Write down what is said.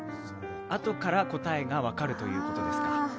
あとから答えが分かるということですか。